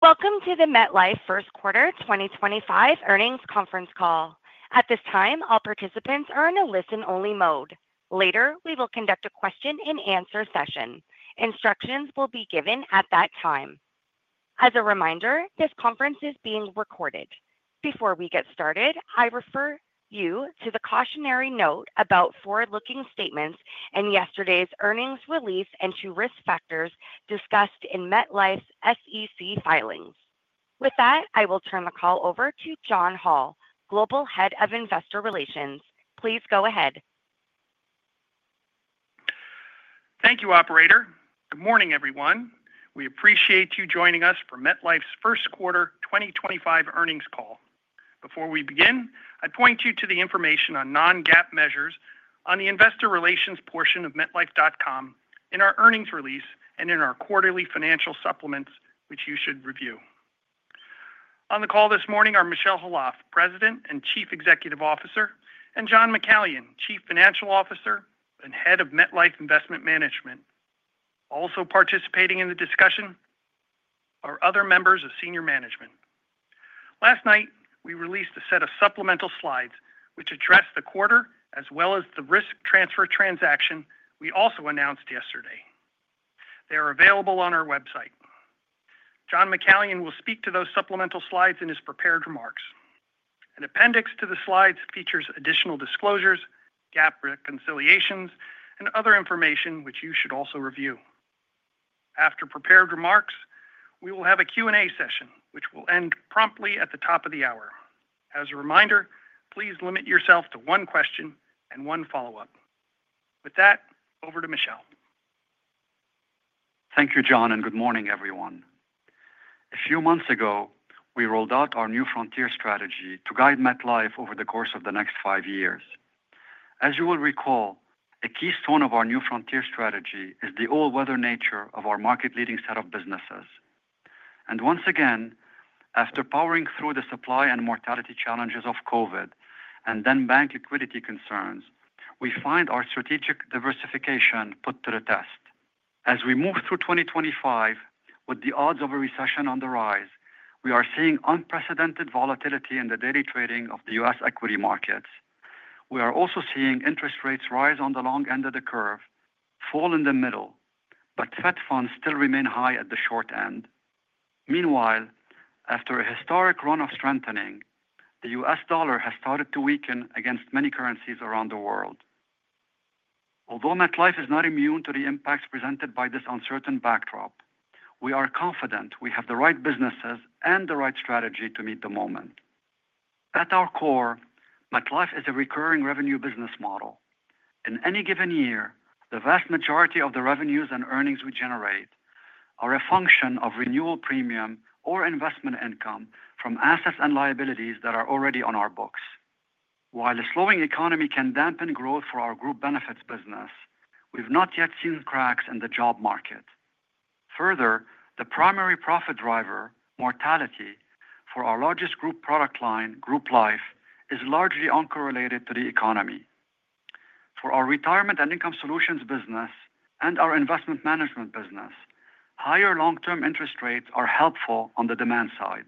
Welcome to the MetLife Q1 2025 Earnings Conference Call. At this time, all participants are in a listen-only mode. Later, we will conduct a question and answer session. Instructions will be given at that time. As a reminder, this conference is being recorded. Before we get started, I refer you to the cautionary note about forward-looking statements and yesterday's earnings release and to risk factors discussed in MetLife's SEC filings. With that, I will turn the call over to John Hall, Global Head of Investor Relations. Please go ahead. Thank you, Operator. Good morning, everyone. We appreciate you joining us for MetLife's Q1 2025 earnings call. Before we begin, I point you to the information on non-GAAP measures on the investor relations portion of MetLife.com in our earnings release and in our quarterly financial supplements, which you should review. On the call this morning are Michel Khalaf, President and Chief Executive Officer, and John McCallion, Chief Financial Officer and Head of MetLife Investment Management. Also participating in the discussion are other members of senior management. Last night, we released a set of supplemental slides which address the quarter as well as the risk transfer transaction we also announced yesterday. They are available on our website. John McCallion will speak to those supplemental slides in his prepared remarks. An appendix to the slides features additional disclosures, GAAP reconciliations, and other information which you should also review. After prepared remarks, we will have a Q&A session which will end promptly at the top of the hour. As a reminder, please limit yourself to one question and one follow-up. With that, over to Michel. Thank you, John, and good morning, everyone. A few months ago, we rolled out our new frontier strategy to guide MetLife over the course of the next five years. As you will recall, a keystone of our new frontier strategy is the all-weather nature of our market-leading set of businesses. Once again, after powering through the supply and mortality challenges of COVID and then bank liquidity concerns, we find our strategic diversification put to the test. As we move through 2025, with the odds of a recession on the rise, we are seeing unprecedented volatility in the daily trading of the U.S. equity markets. We are also seeing interest rates rise on the long end of the curve, fall in the middle, but Fed funds still remain high at the short end. Meanwhile, after a historic run of strengthening, the U.S. dollar has started to weaken against many currencies around the world. Although MetLife is not immune to the impacts presented by this uncertain backdrop, we are confident we have the right businesses and the right strategy to meet the moment. At our core, MetLife is a recurring revenue business model. In any given year, the vast majority of the revenues and earnings we generate are a function of renewal premium or investment income from assets and liabilities that are already on our books. While a slowing economy can dampen growth for our group benefits business, we've not yet seen cracks in the job market. Further, the primary profit driver, mortality, for our largest group product line, Group Life, is largely uncorrelated to the economy. For our retirement and income solutions business and our investment management business, higher long-term interest rates are helpful on the demand side.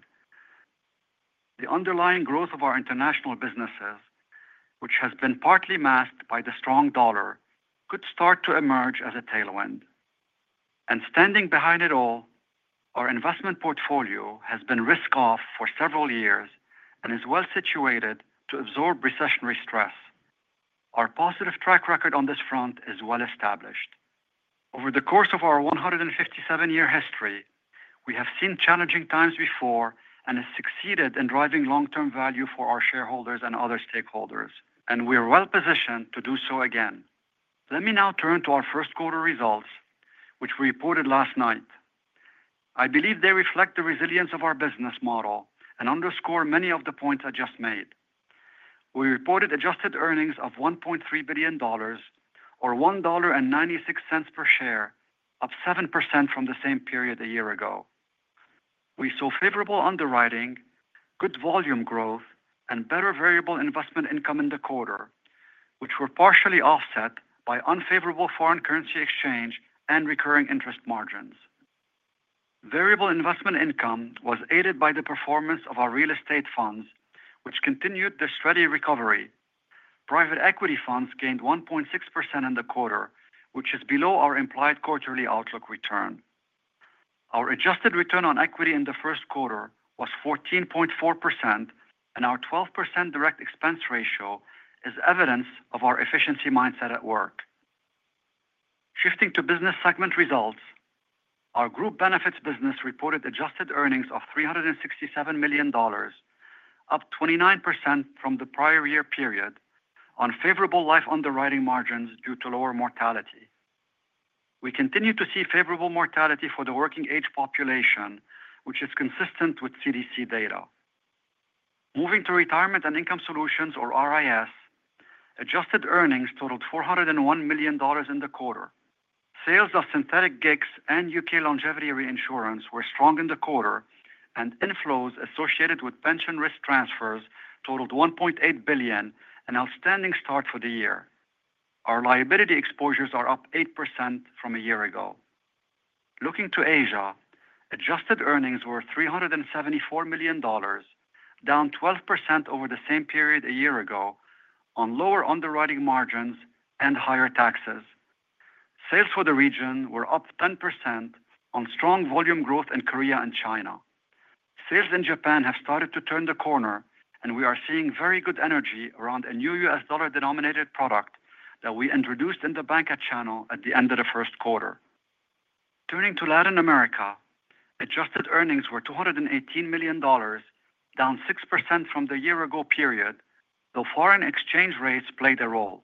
The underlying growth of our international businesses, which has been partly masked by the strong dollar, could start to emerge as a tailwind. Standing behind it all, our investment portfolio has been risk-off for several years and is well situated to absorb recessionary stress. Our positive track record on this front is well established. Over the course of our 157-year history, we have seen challenging times before and have succeeded in driving long-term value for our shareholders and other stakeholders, and we are well positioned to do so again. Let me now turn to our Q1 results, which we reported last night. I believe they reflect the resilience of our business model and underscore many of the points I just made. We reported adjusted earnings of $1.3 billion, or $1.96 per share, up 7% from the same period a year ago. We saw favorable underwriting, good volume growth, and better variable investment income in the quarter, which were partially offset by unfavorable foreign currency exchange and recurring interest margins. Variable investment income was aided by the performance of our real estate funds, which continued their steady recovery. Private equity funds gained 1.6% in the quarter, which is below our implied quarterly outlook return. Our adjusted return on equity in the Q1 was 14.4%, and our 12% direct expense ratio is evidence of our efficiency mindset at work. Shifting to business segment results, our group benefits business reported adjusted earnings of $367 million, up 29% from the prior year period, on favorable life underwriting margins due to lower mortality. We continue to see favorable mortality for the working-age population, which is consistent with CDC data. Moving to retirement and income solutions, or RIS, adjusted earnings totaled $401 million in the quarter. Sales of synthetic GICs and U.K. longevity reinsurance were strong in the quarter, and inflows associated with pension risk transfers totaled $1.8 billion, an outstanding start for the year. Our liability exposures are up 8% from a year ago. Looking to Asia, adjusted earnings were $374 million, down 12% over the same period a year ago, on lower underwriting margins and higher taxes. Sales for the region were up 10% on strong volume growth in Korea and China. Sales in Japan have started to turn the corner, and we are seeing very good energy around a new U.S. dollar-denominated product that we introduced in the bank channel at the end of the Q1. Turning to Latin America, adjusted earnings were $218 million, down 6% from the year-ago period, though foreign exchange rates played a role.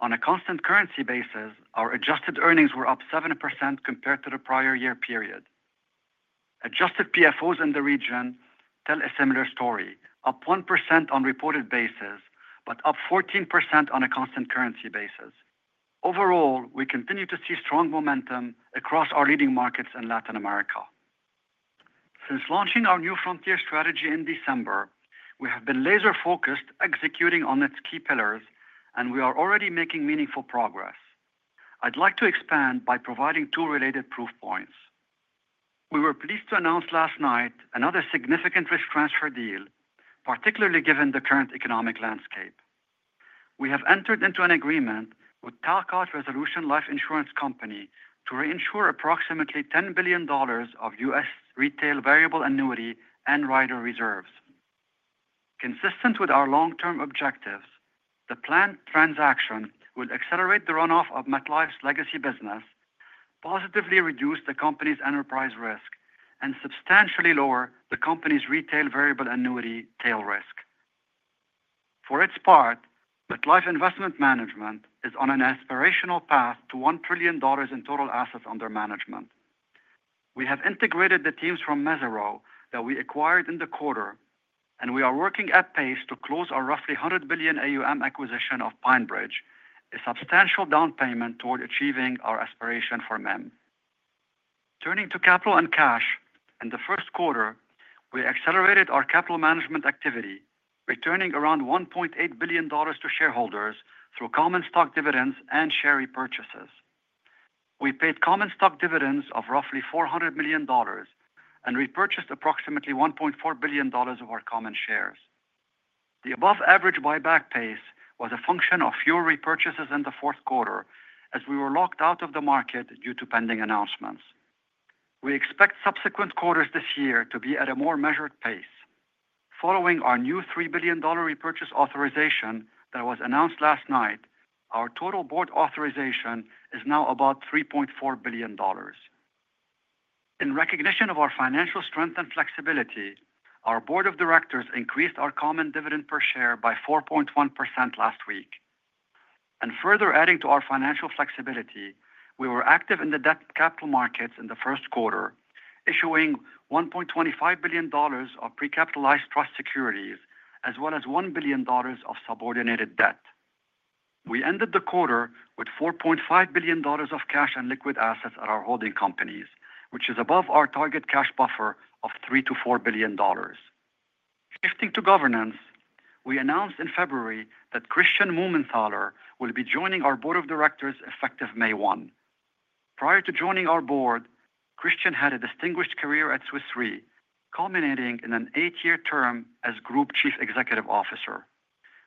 On a constant currency basis, our adjusted earnings were up 7% compared to the prior year period. Adjusted PFOs in the region tell a similar story, up 1% on a reported basis, but up 14% on a constant currency basis. Overall, we continue to see strong momentum across our leading markets in Latin America. Since launching our new frontier strategy in December, we have been laser-focused executing on its key pillars, and we are already making meaningful progress. I'd like to expand by providing two related proof points. We were pleased to announce last night another significant risk transfer deal, particularly given the current economic landscape. We have entered into an agreement with Talcott Resolution Life Insurance Company to reinsure approximately $10 billion of U.S. retail variable annuity and rider reserves. Consistent with our long-term objectives, the planned transaction will accelerate the runoff of MetLife's legacy business, positively reduce the company's enterprise risk, and substantially lower the company's retail variable annuity tail risk. For its part, MetLife Investment Management is on an aspirational path to $1 trillion in total assets under management. We have integrated the teams from Mesirow that we acquired in the quarter, and we are working at pace to close our roughly $100 billion AUM acquisition of PineBridge, a substantial down payment toward achieving our aspiration for MIM. Turning to capital and cash, in the Q1, we accelerated our capital management activity, returning around $1.8 billion to shareholders through common stock dividends and share repurchases. We paid common stock dividends of roughly $400 million and repurchased approximately $1.4 billion of our common shares. The above-average buyback pace was a function of fewer repurchases in the Q3, as we were locked out of the market due to pending announcements. We expect subsequent quarters this year to be at a more measured pace. Following our new $3 billion repurchase authorization that was announced last night, our total board authorization is now about $3.4 billion. In recognition of our financial strength and flexibility, our board of directors increased our common dividend per share by 4.1% last week. Further adding to our financial flexibility, we were active in the debt capital markets in the Q1, issuing $1.25 billion of pre-capitalized trust securities, as well as $1 billion of subordinated debt. We ended the quarter with $4.5 billion of cash and liquid assets at our holding companies, which is above our target cash buffer of $3 billion-$4 billion. Shifting to governance, we announced in February that Christian Mumenthaler will be joining our board of directors effective May 1. Prior to joining our board, Christian had a distinguished career at Swiss Re, culminating in an eight-year term as Group Chief Executive Officer.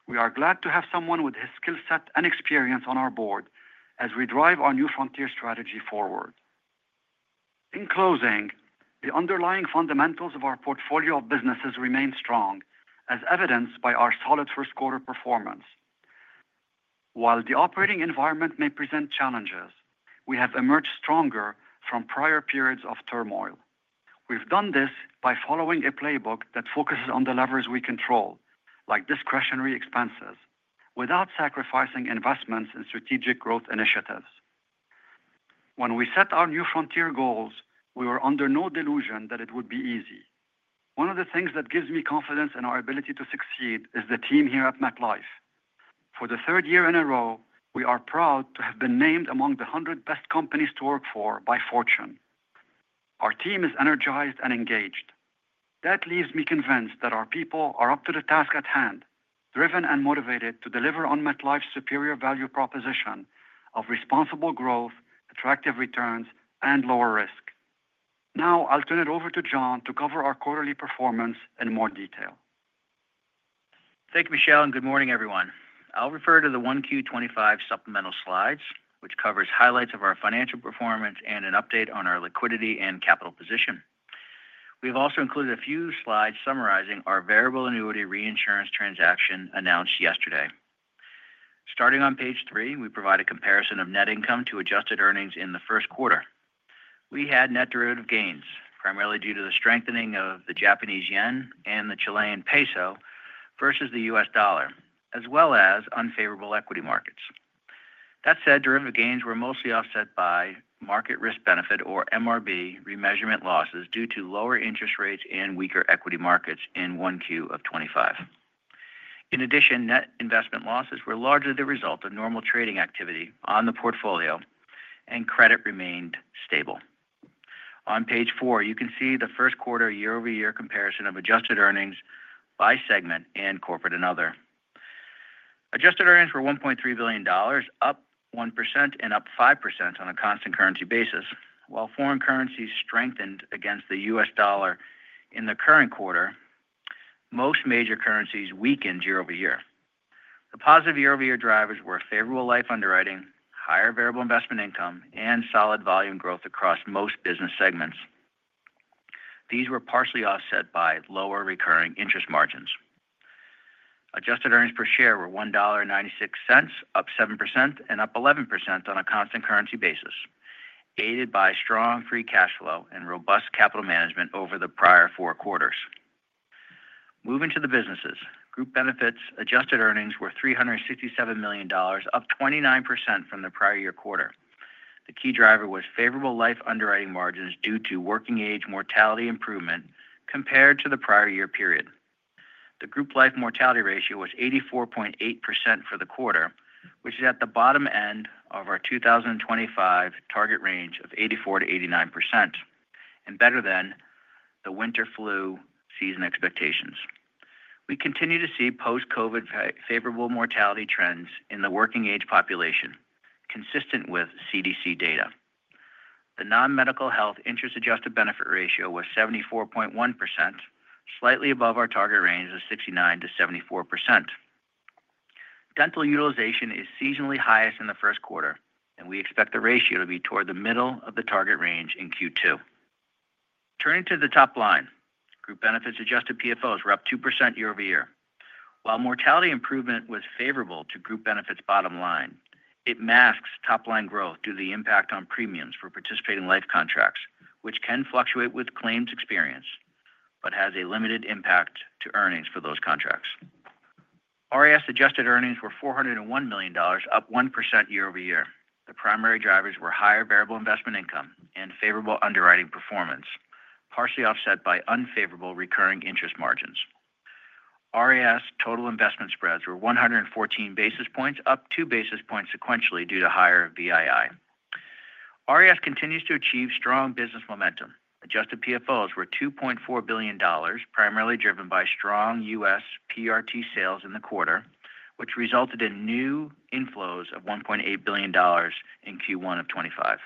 We are glad to have someone with his skill set and experience on our board as we drive our new frontier strategy forward. In closing, the underlying fundamentals of our portfolio of businesses remain strong, as evidenced by our solid first-quarter performance. While the operating environment may present challenges, we have emerged stronger from prior periods of turmoil. We've done this by following a playbook that focuses on the levers we control, like discretionary expenses, without sacrificing investments in strategic growth initiatives. When we set our new frontier goals, we were under no delusion that it would be easy. One of the things that gives me confidence in our ability to succeed is the team here at MetLife. For the third year in a row, we are proud to have been named among the 100 best companies to work for by Fortune. Our team is energized and engaged. That leaves me convinced that our people are up to the task at hand, driven and motivated to deliver on MetLife's superior value proposition of responsible growth, attractive returns, and lower risk. Now I'll turn it over to John to cover our quarterly performance in more detail. Thank you, Michel, and good morning, everyone. I'll refer to the 1Q25 supplemental slides, which covers highlights of our financial performance and an update on our liquidity and capital position. We have also included a few slides summarizing our variable annuity reinsurance transaction announced yesterday. Starting on page three, we provide a comparison of net income to adjusted earnings in the Q1. We had net derivative gains, primarily due to the strengthening of the Japanese yen and the Chilean peso versus the U.S. dollar, as well as unfavorable equity markets. That said, derivative gains were mostly offset by market risk benefit, or MRB, remeasurement losses due to lower interest rates and weaker equity markets in 1Q of 2025. In addition, net investment losses were largely the result of normal trading activity on the portfolio, and credit remained stable. On page four, you can see the Q1 year-over-year comparison of adjusted earnings by segment and corporate and other. Adjusted earnings were $1.3 billion, up 1% and up 5% on a constant currency basis. While foreign currencies strengthened against the U.S. dollar in the current quarter, most major currencies weakened year-over-year. The positive year-over-year drivers were favorable life underwriting, higher variable investment income, and solid volume growth across most business segments. These were partially offset by lower recurring interest margins. Adjusted earnings per share were $1.96, up 7% and up 11% on a constant currency basis, aided by strong free cash flow and robust capital management over the prior four quarters. Moving to the businesses, group benefits adjusted earnings were $367 million, up 29% from the prior year quarter. The key driver was favorable life underwriting margins due to working-age mortality improvement compared to the prior year period. The group life mortality ratio was 84.8% for the quarter, which is at the bottom end of our 2025 target range of 84-89%, and better than the winter flu season expectations. We continue to see post-COVID favorable mortality trends in the working-age population, consistent with CDC data. The non-medical health interest adjusted benefit ratio was 74.1%, slightly above our target range of 69-74%. Dental utilization is seasonally highest in the Q1, and we expect the ratio to be toward the middle of the target range in Q2. Turning to the top line, group benefits adjusted PFOs were up 2% year-over-year. While mortality improvement was favorable to group benefits bottom line, it masks top-line growth due to the impact on premiums for participating life contracts, which can fluctuate with claims experience, but has a limited impact to earnings for those contracts. RIS adjusted earnings were $401 million, up 1% year-over-year. The primary drivers were higher variable investment income and favorable underwriting performance, partially offset by unfavorable recurring interest margins. RIS total investment spreads were 114 basis points, up 2 basis points sequentially due to higher VII. RIS continues to achieve strong business momentum. Adjusted PFOs were $2.4 billion, primarily driven by strong U.S. PRT sales in the quarter, which resulted in new inflows of $1.8 billion in Q1 of 2025.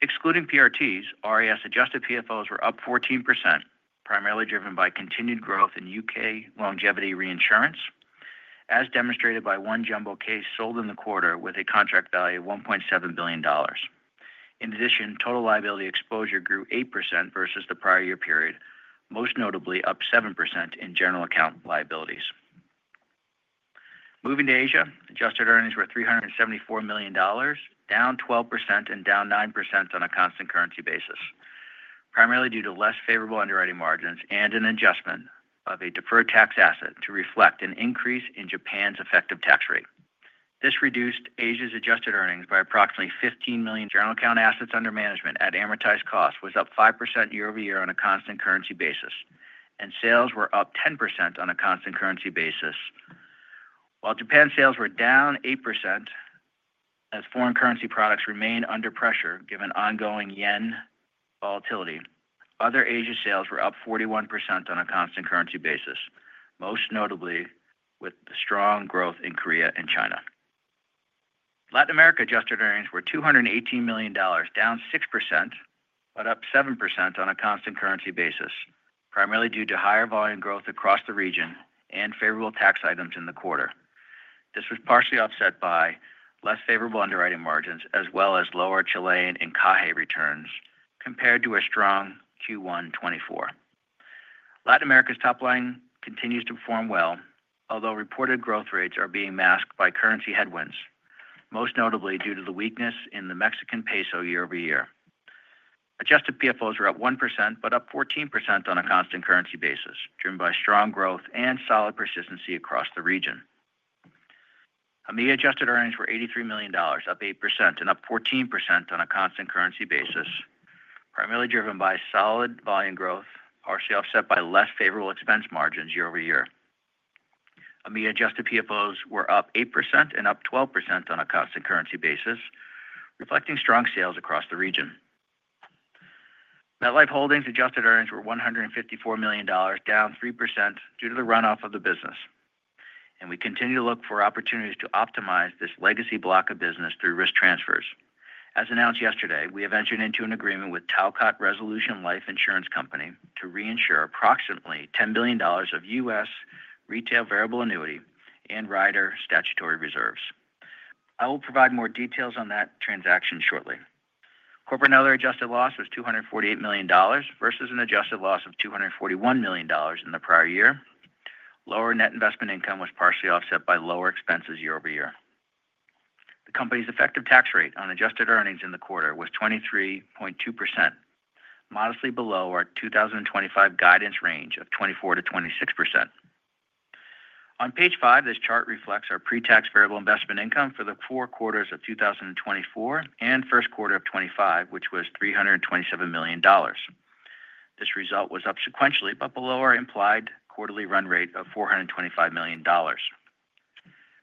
Excluding PRTs, RIS adjusted PFOs were up 14%, primarily driven by continued growth in U.K. longevity reinsurance, as demonstrated by one jumbo case sold in the quarter with a contract value of $1.7 billion. In addition, total liability exposure grew 8% versus the prior year period, most notably up 7% in general account liabilities. Moving to Asia, adjusted earnings were $374 million, down 12% and down 9% on a constant currency basis, primarily due to less favorable underwriting margins and an adjustment of a deferred tax asset to reflect an increase in Japan's effective tax rate. This reduced Asia's adjusted earnings by approximately $15 million. General account assets under management at amortized cost was up 5% year-over-year on a constant currency basis, and sales were up 10% on a constant currency basis. While Japan sales were down 8%, as foreign currency products remain under pressure given ongoing yen volatility, other Asia sales were up 41% on a constant currency basis, most notably with the strong growth in Korea and China. Latin America adjusted earnings were $218 million, down 6%, but up 7% on a constant currency basis, primarily due to higher volume growth across the region and favorable tax items in the quarter. This was partially offset by less favorable underwriting margins, as well as lower Chilean Encaje returns compared to a strong Q1 2024. Latin America's top line continues to perform well, although reported growth rates are being masked by currency headwinds, most notably due to the weakness in the Mexican peso year-over-year. Adjusted PFOs were up 1%, but up 14% on a constant currency basis, driven by strong growth and solid persistency across the region. EMEA adjusted earnings were $83 million, up 8% and up 14% on a constant currency basis, primarily driven by solid volume growth, partially offset by less favorable expense margins year-over-year. EMEA adjusted PFOs were up 8% and up 12% on a constant currency basis, reflecting strong sales across the region. MetLife Holdings adjusted earnings were $154 million, down 3% due to the runoff of the business. We continue to look for opportunities to optimize this legacy block of business through risk transfers. As announced yesterday, we have entered into an agreement with Talcott Resolution Life Insurance Company to reinsure approximately $10 billion of U.S. retail variable annuity and rider statutory reserves. I will provide more details on that transaction shortly. Corporate and other adjusted loss was $248 million versus an adjusted loss of $241 million in the prior year. Lower net investment income was partially offset by lower expenses year-over-year. The company's effective tax rate on adjusted earnings in the quarter was 23.2%, modestly below our 2025 guidance range of 24%-26%. On page five, this chart reflects our pre-tax variable investment income for the four quarters of 2024 and Q1 of 2025, which was $327 million. This result was up sequentially, but below our implied quarterly run rate of $425 million.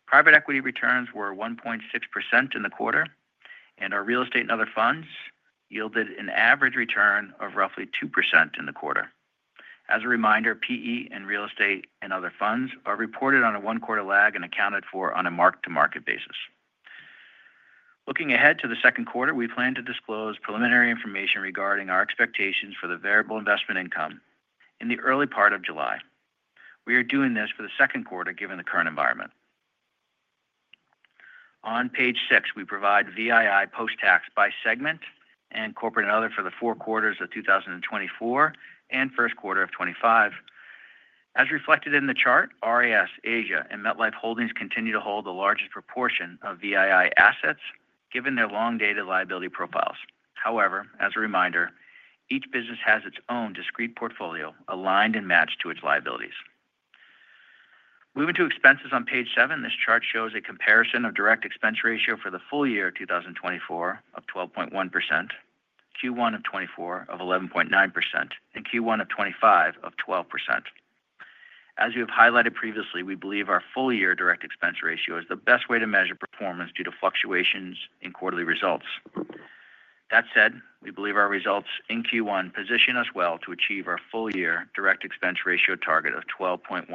Private equity returns were 1.6% in the quarter, and our real estate and other funds yielded an average return of roughly 2% in the quarter. As a reminder, PE and real estate and other funds are reported on a one-quarter lag and accounted for on a mark-to-market basis. Looking ahead to the Q2, we plan to disclose preliminary information regarding our expectations for the variable investment income in the early part of July. We are doing this for the Q2 given the current environment. On page six, we provide VII post-tax by segment and corporate and other for the four quarters of 2024 and Q1 of 2025. As reflected in the chart, RIS, Asia, and MetLife Holdings continue to hold the largest proportion of VII assets, given their long-dated liability profiles. However, as a reminder, each business has its own discrete portfolio aligned and matched to its liabilities. Moving to expenses on page seven, this chart shows a comparison of direct expense ratio for the full year 2024 of 12.1%, Q1 of 2024 of 11.9%, and Q1 of 2025 of 12%. As we have highlighted previously, we believe our full-year direct expense ratio is the best way to measure performance due to fluctuations in quarterly results. That said, we believe our results in Q1 position us well to achieve our full-year direct expense ratio target of 12.1%,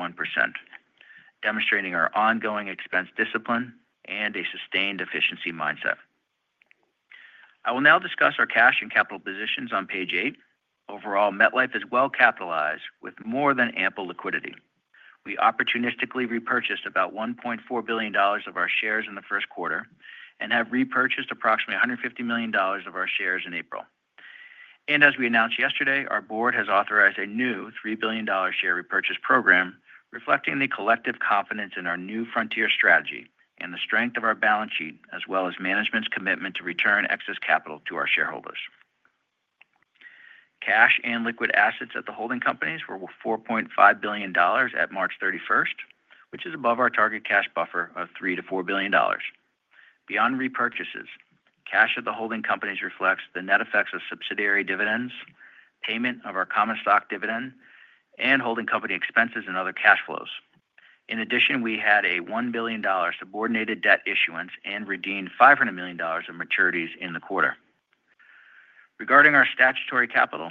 demonstrating our ongoing expense discipline and a sustained efficiency mindset. I will now discuss our cash and capital positions on page eight. Overall, MetLife is well capitalized with more than ample liquidity. We opportunistically repurchased about $1.4 billion of our shares in the Q1 and have repurchased approximately $150 million of our shares in April. As we announced yesterday, our board has authorized a new $3 billion share repurchase program, reflecting the collective confidence in our new frontier strategy and the strength of our balance sheet, as well as management's commitment to return excess capital to our shareholders. Cash and liquid assets at the holding companies were $4.5 billion at March 31st, which is above our target cash buffer of $3 billion-$4 billion. Beyond repurchases, cash at the holding companies reflects the net effects of subsidiary dividends, payment of our common stock dividend, and holding company expenses and other cash flows. In addition, we had a $1 billion subordinated debt issuance and redeemed $500 million of maturities in the quarter. Regarding our statutory capital,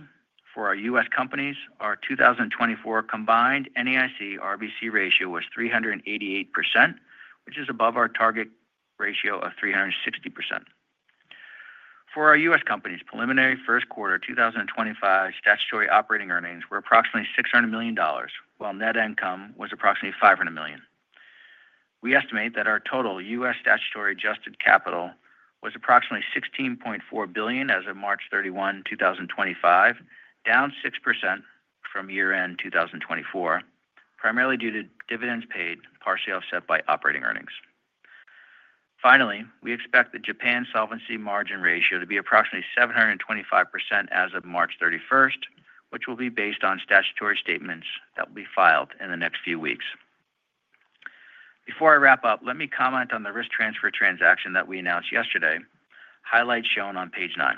for our U.S. companies, our 2024 combined NAIC-RBC ratio was 388%, which is above our target ratio of 360%. For our U.S. companies, preliminary Q1 2025 statutory operating earnings were approximately $600 million, while net income was approximately $500 million. We estimate that our total U.S. statutory adjusted capital was approximately $16.4 billion as of March 31, 2025, down 6% from year-end 2024, primarily due to dividends paid, partially offset by operating earnings. Finally, we expect the Japan solvency margin ratio to be approximately 725% as of March 31st, which will be based on statutory statements that will be filed in the next few weeks. Before I wrap up, let me comment on the risk transfer transaction that we announced yesterday, highlight shown on page nine.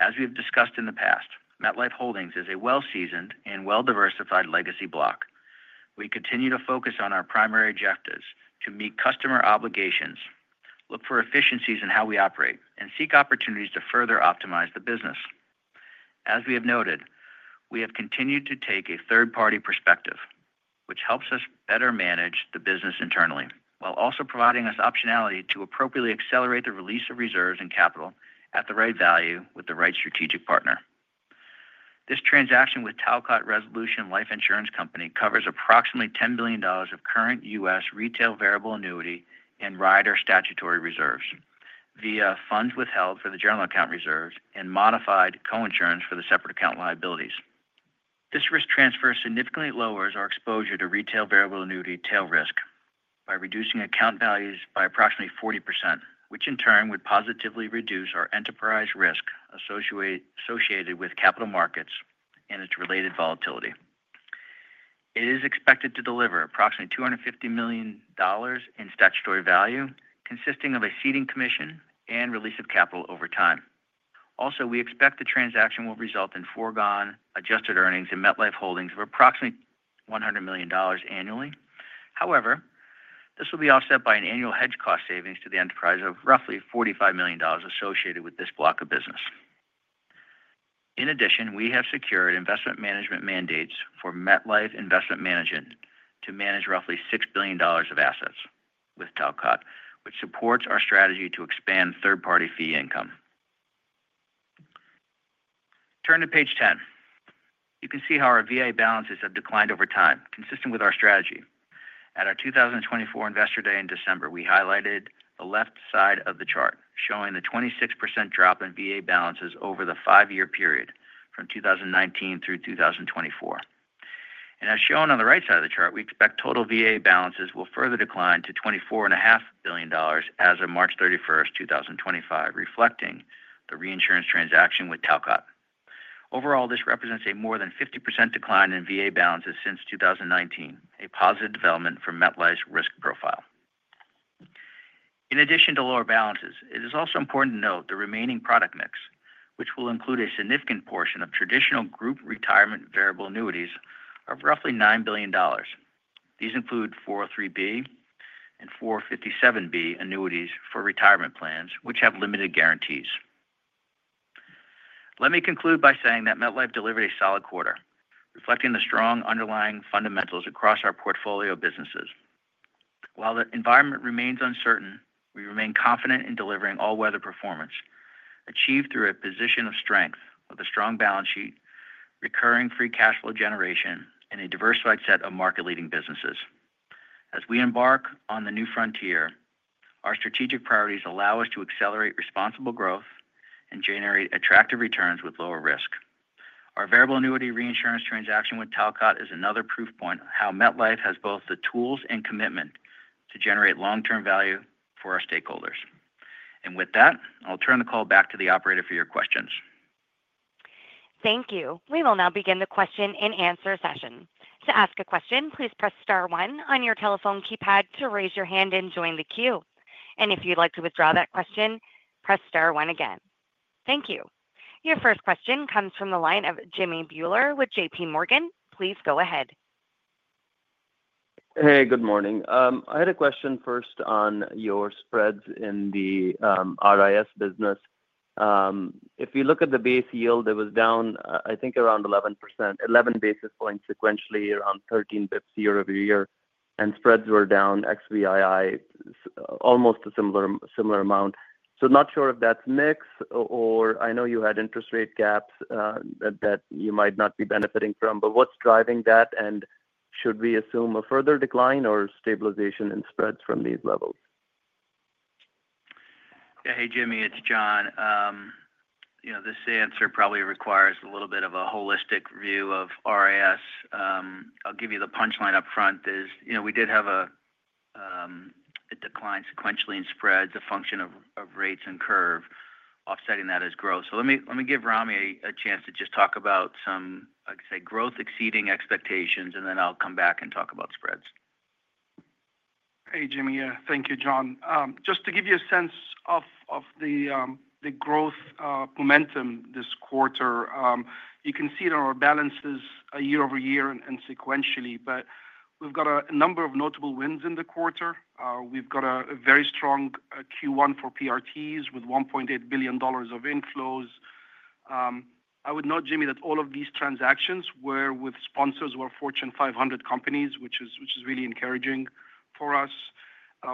As we have discussed in the past, MetLife Holdings is a well-seasoned and well-diversified legacy block. We continue to focus on our primary objectives to meet customer obligations, look for efficiencies in how we operate, and seek opportunities to further optimize the business. As we have noted, we have continued to take a third-party perspective, which helps us better manage the business internally, while also providing us optionality to appropriately accelerate the release of reserves and capital at the right value with the right strategic partner. This transaction with Talcott Resolution Life Insurance Company covers approximately $10 billion of current U.S. retail variable annuity and rider statutory reserves via funds withheld for the general account reserves and modified co-insurance for the separate account liabilities. This risk transfer significantly lowers our exposure to retail variable annuity tail risk by reducing account values by approximately 40%, which in turn would positively reduce our enterprise risk associated with capital markets and its related volatility. It is expected to deliver approximately $250 million in statutory value, consisting of a ceding commission and release of capital over time. Also, we expect the transaction will result in foregone adjusted earnings in MetLife Holdings of approximately $100 million annually. However, this will be offset by an annual hedge cost savings to the enterprise of roughly $45 million associated with this block of business. In addition, we have secured investment management mandates for MetLife Investment Management to manage roughly $6 billion of assets with Talcott, which supports our strategy to expand third-party fee income. Turn to page 10. You can see how our VA balances have declined over time, consistent with our strategy. At our 2024 investor day in December, we highlighted the left side of the chart showing the 26% drop in VA balances over the five-year period from 2019 through 2024. As shown on the right side of the chart, we expect total VA balances will further decline to $24.5 billion as of March 31, 2025, reflecting the reinsurance transaction with Talcott. Overall, this represents a more than 50% decline in VA balances since 2019, a positive development for MetLife's risk profile. In addition to lower balances, it is also important to note the remaining product mix, which will include a significant portion of traditional group retirement variable annuities of roughly $9 billion. These include 403(b) and 457(b) annuities for retirement plans, which have limited guarantees. Let me conclude by saying that MetLife delivered a solid quarter, reflecting the strong underlying fundamentals across our portfolio businesses. While the environment remains uncertain, we remain confident in delivering all-weather performance achieved through a position of strength with a strong balance sheet, recurring free cash flow generation, and a diversified set of market-leading businesses. As we embark on the new frontier, our strategic priorities allow us to accelerate responsible growth and generate attractive returns with lower risk. Our variable annuity reinsurance transaction with Talcott is another proof point of how MetLife has both the tools and commitment to generate long-term value for our stakeholders. With that, I'll turn the call back to the operator for your questions. Thank you. We will now begin the question and answer session. To ask a question, please press star one on your telephone keypad to raise your hand and join the queue. If you'd like to withdraw that question, press star one again. Thank you. Your first question comes from the line of Jimmy Bhullar with JP Morgan. Please go ahead. Hey, good morning. I had a question first on your spreads in the RIS business. If you look at the base yield, it was down, I think, around 11 basis points sequentially, around 13 basis points year-over-year, and spreads were down, I think, almost a similar amount. Not sure if that's mix or I know you had interest rate gaps that you might not be benefiting from, but what's driving that? Should we assume a further decline or stabilization in spreads from these levels? Yeah, hey, Jimmy, it's John. This answer probably requires a little bit of a holistic view of RIS. I'll give you the punchline upfront. We did have a decline sequentially in spreads, a function of rates and curve, offsetting that is growth. Let me give Ramy a chance to just talk about some, I'd say, growth-exceeding expectations, and then I'll come back and talk about spreads. Hey, Jimmy. Thank you, John. Just to give you a sense of the growth momentum this quarter, you can see it on our balances year-over-year and sequentially, but we've got a number of notable wins in the quarter. We've got a very strong Q1 for PRTs with $1.8 billion of inflows. I would note, Jimmy, that all of these transactions were with sponsors who are Fortune 500 companies, which is really encouraging for us.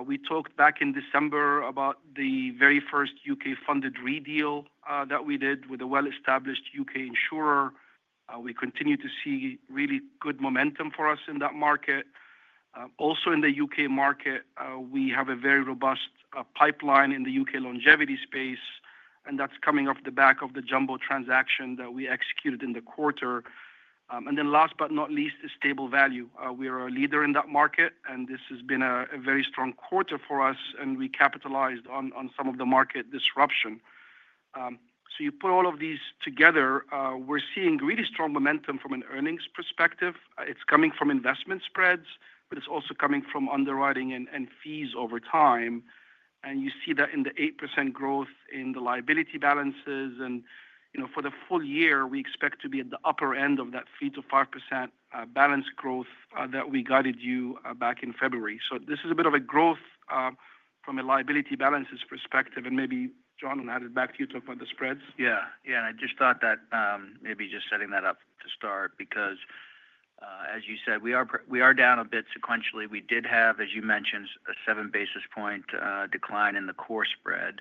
We talked back in December about the very first U.K. funded Re deal that we did with a well-established U.K. insurer. We continue to see really good momentum for us in that market. Also, in the U.K. market, we have a very robust pipeline in the U.K. longevity space, and that is coming off the back of the jumbo transaction that we executed in the quarter. Last but not least is stable value. We are a leader in that market, and this has been a very strong quarter for us, and we capitalized on some of the market disruption. You put all of these together, we are seeing really strong momentum from an earnings perspective. It is coming from investment spreads, but it is also coming from underwriting and fees over time. You see that in the 8% growth in the liability balances. For the full year, we expect to be at the upper end of that 3% to 5% balance growth that we guided you back in February. This is a bit of a growth from a liability balances perspective. Maybe, John, I'll hand it back to you to talk about the spreads. Yeah. I just thought that maybe just setting that up to start, because as you said, we are down a bit sequentially. We did have, as you mentioned, a seven-basis point decline in the core spread.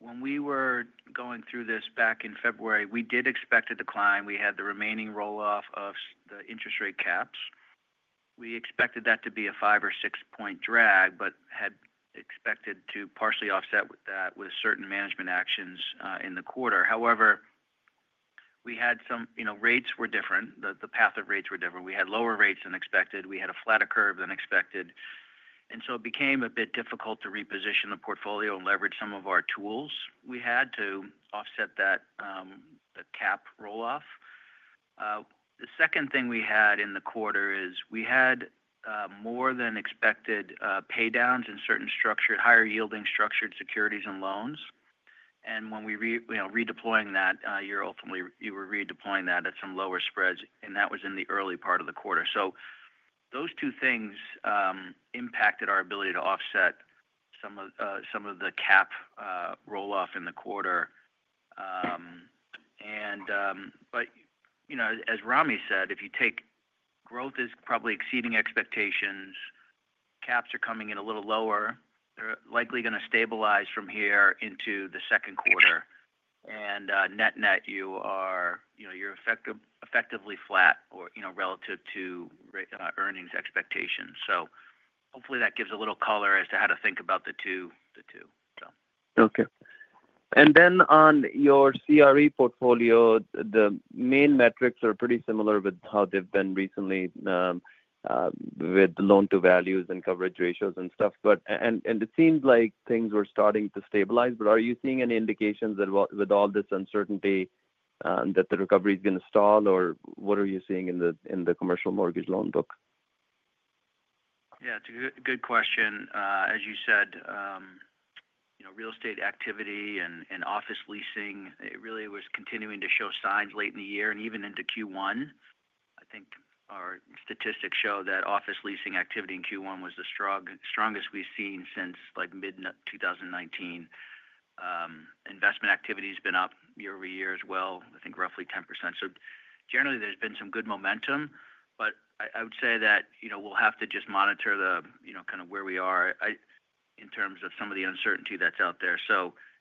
When we were going through this back in February, we did expect a decline. We had the remaining roll-off of the interest rate caps. We expected that to be a five or six-point drag, but had expected to partially offset that with certain management actions in the quarter. However, we had some rates were different. The path of rates were different. We had lower rates than expected. We had a flatter curve than expected. It became a bit difficult to reposition the portfolio and leverage some of our tools we had to offset that cap roll-off. The second thing we had in the quarter is we had more than expected paydowns in certain higher-yielding structured securities and loans. And when we were redeploying that, you were redeploying that at some lower spreads, and that was in the early part of the quarter. Those two things impacted our ability to offset some of the cap roll-off in the quarter. As Ramy said, if you take growth, it is probably exceeding expectations, caps are coming in a little lower. They are likely going to stabilize from here into the Q2. Net-net, you are effectively flat relative to earnings expectations. Hopefully that gives a little color as to how to think about the two. On your CRE portfolio, the main metrics are pretty similar with how they've been recently with loan-to-values and coverage ratios and stuff. It seems like things were starting to stabilize, but are you seeing any indications that with all this uncertainty that the recovery is going to stall, or what are you seeing in the commercial mortgage loan book? Yeah. It's a good question. As you said, real estate activity and office leasing, it really was continuing to show signs late in the year and even into Q1. I think our statistics show that office leasing activity in Q1 was the strongest we've seen since mid-2019. Investment activity has been up year-over-year as well, I think roughly 10%. Generally, there's been some good momentum, but I would say that we'll have to just monitor kind of where we are in terms of some of the uncertainty that's out there.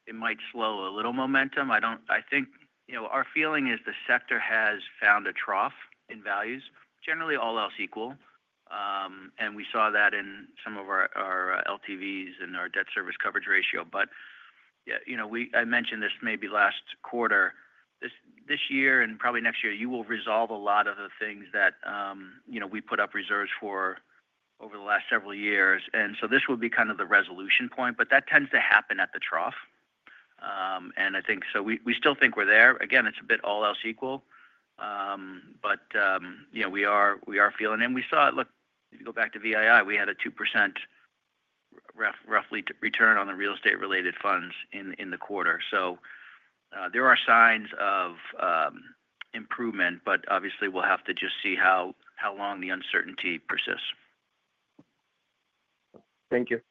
It might slow a little momentum. I think our feeling is the sector has found a trough in values, generally all else equal. We saw that in some of our LTVs and our debt service coverage ratio. I mentioned this maybe last quarter. This year and probably next year, you will resolve a lot of the things that we put up reserves for over the last several years. This will be kind of the resolution point, but that tends to happen at the trough. I think we still think we're there. Again, it's a bit all else equal, but we are feeling it. If you go back to VII, we had a 2% roughly return on the real estate-related funds in the quarter. There are signs of improvement, but obviously, we'll have to just see how long the uncertainty persists. Thank you.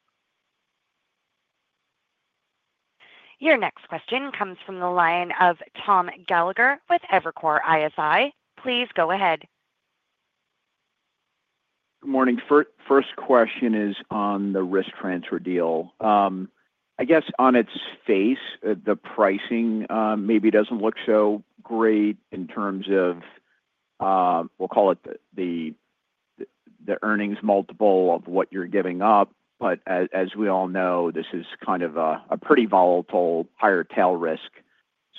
Your next question comes from the line of Tom Gallagher with Evercore ISI. Please go ahead. Good morning. First question is on the risk transfer deal. I guess on its face, the pricing maybe does not look so great in terms of, we'll call it the earnings multiple of what you're giving up. As we all know, this is kind of a pretty volatile higher tail risk.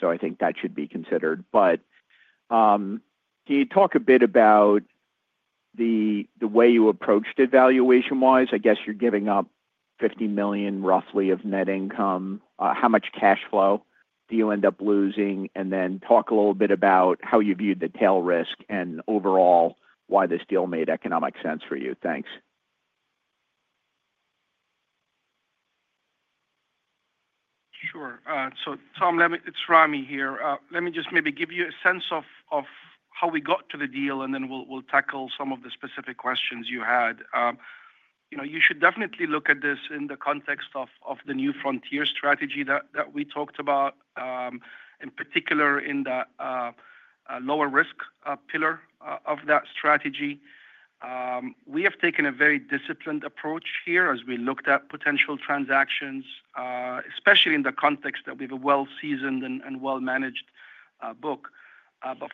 I think that should be considered. Can you talk a bit about the way you approached it valuation-wise? I guess you're giving up $50 million roughly of net income. How much cash flow do you end up losing? Then talk a little bit about how you viewed the tail risk and overall why this deal made economic sense for you. Thanks. Sure. Tom, it's Ramy here. Let me just maybe give you a sense of how we got to the deal, and then we'll tackle some of the specific questions you had. You should definitely look at this in the context of the new frontier strategy that we talked about, in particular in the lower risk pillar of that strategy. We have taken a very disciplined approach here as we looked at potential transactions, especially in the context that we have a well-seasoned and well-managed book.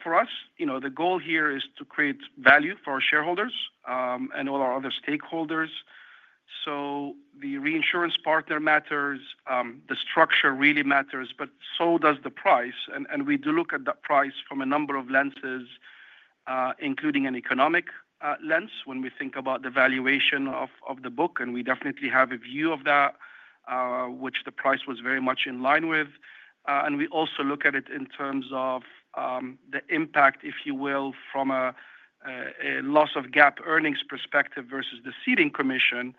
For us, the goal here is to create value for our shareholders and all our other stakeholders. The reinsurance partner matters. The structure really matters, but so does the price. We do look at that price from a number of lenses, including an economic lens when we think about the valuation of the book. We definitely have a view of that, which the price was very much in line with. We also look at it in terms of the impact, if you will, from a loss of GAAP earnings perspective versus the seeding commission.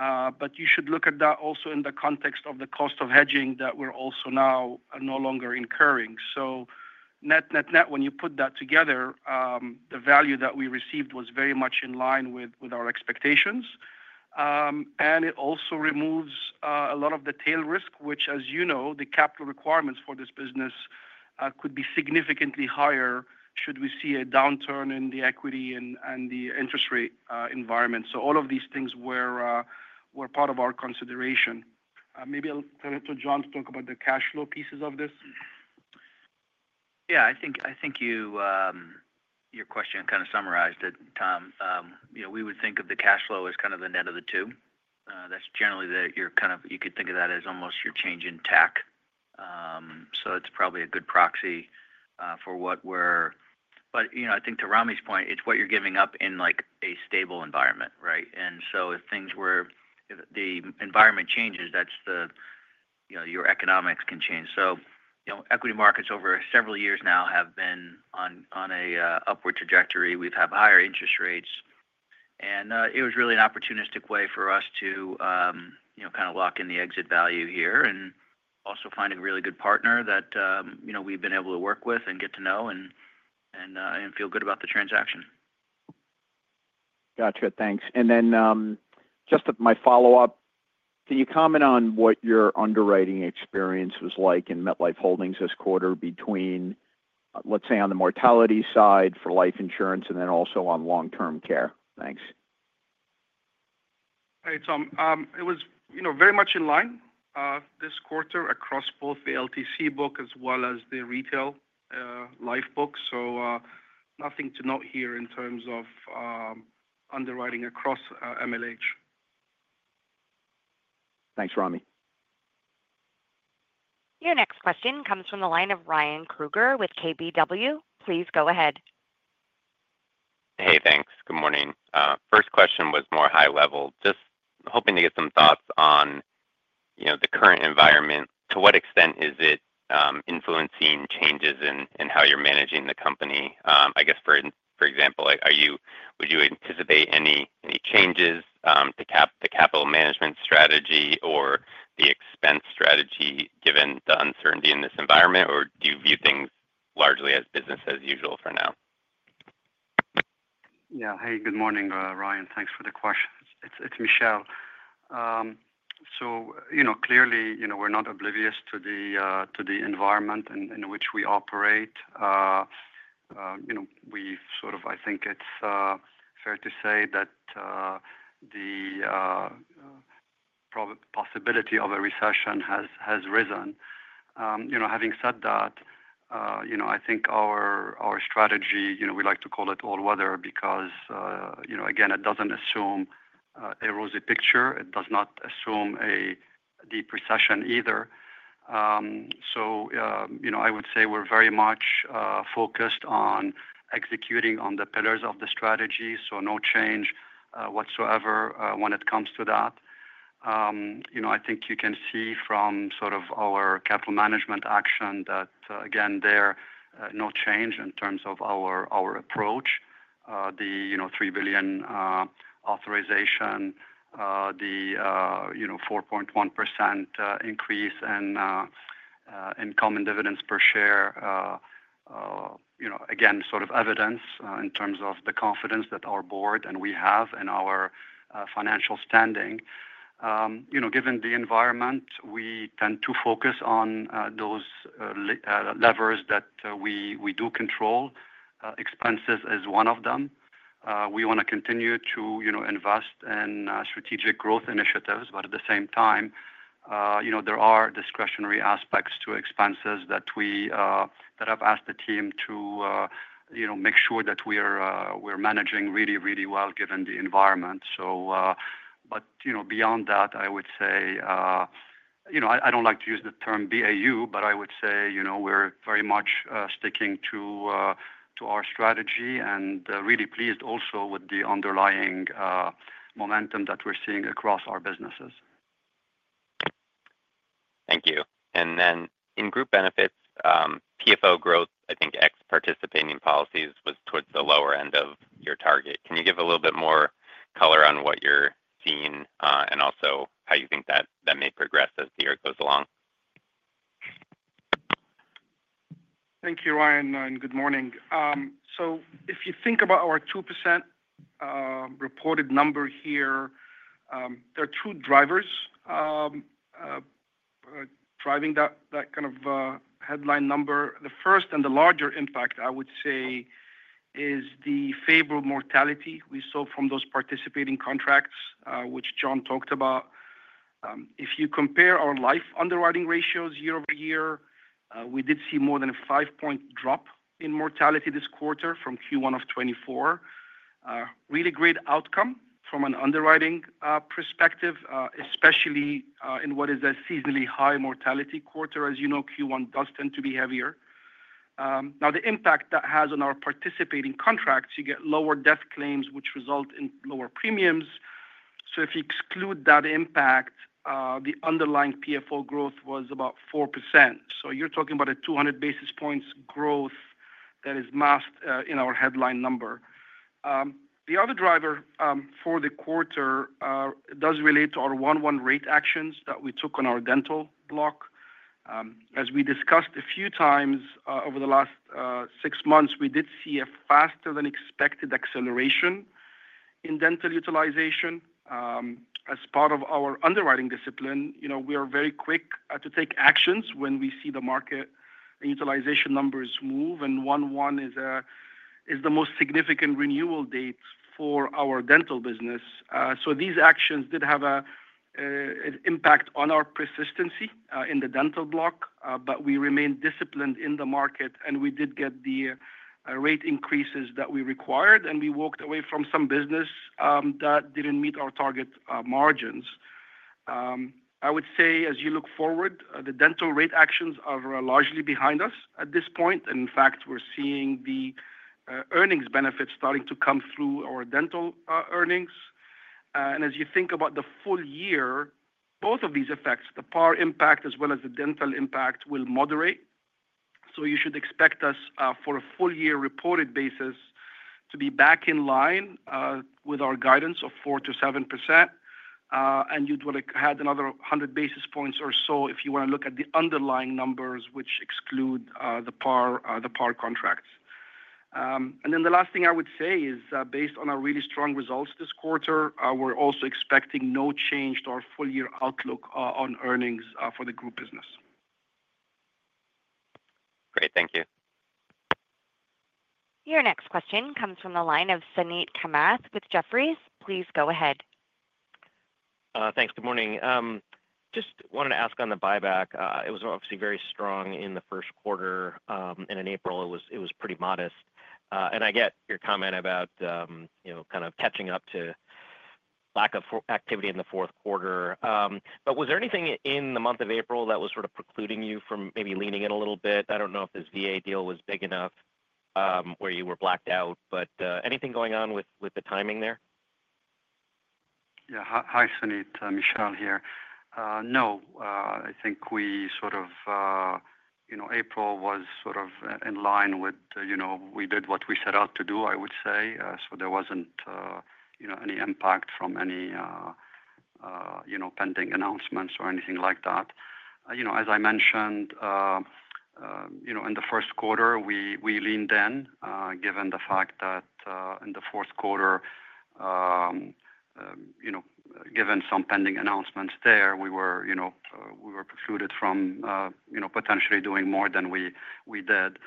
You should look at that also in the context of the cost of hedging that we're also now no longer incurring. Net, net, when you put that together, the value that we received was very much in line with our expectations. It also removes a lot of the tail risk, which, as you know, the capital requirements for this business could be significantly higher should we see a downturn in the equity and the interest rate environment. All of these things were part of our consideration. Maybe I'll turn it to John to talk about the cash flow pieces of this. Yeah. I think your question kind of summarized it, Tom. We would think of the cash flow as kind of the net of the two. That's generally, you could think of that as almost your change in tack. It's probably a good proxy for what we're, but I think to Ramy's point, it's what you're giving up in a stable environment, right? If the environment changes, your economics can change. Equity markets over several years now have been on an upward trajectory. We've had higher interest rates. It was really an opportunistic way for us to kind of lock in the exit value here and also find a really good partner that we've been able to work with and get to know and feel good about the transaction. Gotcha. Thanks. Just my follow-up, can you comment on what your underwriting experience was like in MetLife Holdings this quarter between, let's say, on the mortality side for life insurance and then also on long-term care? Thanks. Hey, Tom. It was very much in line this quarter across both the LTC book as well as the retail life book. Nothing to note here in terms of underwriting across MLH. Thanks, Ramy. Your next question comes from the line of Ryan Krueger with KBW. Please go ahead. Hey, thanks. Good morning. First question was more high level. Just hoping to get some thoughts on the current environment. To what extent is it influencing changes in how you're managing the company? I guess, for example, would you anticipate any changes to the capital management strategy or the expense strategy given the uncertainty in this environment, or do you view things largely as business as usual for now? Yeah. Hey, good morning, Ryan. Thanks for the question. It's Michel. Clearly, we're not oblivious to the environment in which we operate. We sort of, I think it's fair to say that the possibility of a recession has risen. Having said that, I think our strategy, we like to call it all weather because, again, it doesn't assume a rosy picture. It does not assume a deep recession either. I would say we're very much focused on executing on the pillars of the strategy. No change whatsoever when it comes to that. I think you can see from sort of our capital management action that, again, there's no change in terms of our approach. The $3 billion authorization, the 4.1% increase in income and dividends per share, again, sort of evidence in terms of the confidence that our board and we have in our financial standing. Given the environment, we tend to focus on those levers that we do control. Expenses is one of them. We want to continue to invest in strategic growth initiatives, but at the same time, there are discretionary aspects to expenses that I've asked the team to make sure that we're managing really, really well given the environment. Beyond that, I would say I do not like to use the term BAU, but I would say we are very much sticking to our strategy and really pleased also with the underlying momentum that we are seeing across our businesses. Thank you. In group benefits, PFO growth, I think excluding participating policies was towards the lower end of your target. Can you give a little bit more color on what you are seeing and also how you think that may progress as the year goes along? Thank you, Ryan, and good morning. If you think about our 2% reported number here, there are two drivers driving that kind of headline number. The first and the larger impact, I would say, is the favorable mortality we saw from those participating contracts, which John talked about. If you compare our life underwriting ratios year-over-year, we did see more than a 5-point drop in mortality this quarter from Q1 of 2024. Really great outcome from an underwriting perspective, especially in what is a seasonally high mortality quarter. As you know, Q1 does tend to be heavier. Now, the impact that has on our participating contracts, you get lower death claims, which result in lower premiums. If you exclude that impact, the underlying PFO growth was about 4%. You're talking about a 200 basis points growth that is masked in our headline number. The other driver for the quarter does relate to our 1/1 rate actions that we took on our dental block. As we discussed a few times over the last six months, we did see a faster-than-expected acceleration in dental utilization. As part of our underwriting discipline, we are very quick to take actions when we see the market and utilization numbers move. One-one is the most significant renewal date for our dental business. These actions did have an impact on our persistency in the dental block, but we remained disciplined in the market, and we did get the rate increases that we required, and we walked away from some business that did not meet our target margins. I would say, as you look forward, the dental rate actions are largely behind us at this point. In fact, we are seeing the earnings benefits starting to come through our dental earnings. As you think about the full year, both of these effects, the PAR impact as well as the dental impact, will moderate. You should expect us, for a full-year reported basis, to be back in line with our guidance of 4-7%. You would have had another 100 basis points or so if you want to look at the underlying numbers, which exclude the PAR contracts. The last thing I would say is, based on our really strong results this quarter, we are also expecting no change to our full-year outlook on earnings for the group business. Great. Thank you. Your next question comes from the line of Suneet Kamath with Jefferies. Please go ahead. Thanks. Good morning. Just wanted to ask on the buyback. It was obviously very strong in the Q1. In April, it was pretty modest. I get your comment about kind of catching up to lack of activity in the Q3. But was there anything in the month of April that was sort of precluding you from maybe leaning in a little bit? I do not know if this VA deal was big enough where you were blacked out, but anything going on with the timing there? Yeah. Hi, Suneet. Michel here. No. I think we sort of April was sort of in line with we did what we set out to do, I would say. There was not any impact from any pending announcements or anything like that. As I mentioned, in the Q1, we leaned in given the fact that in the Q4, given some pending announcements there, we were precluded from potentially doing more than we did.